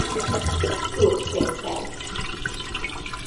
Klub szinten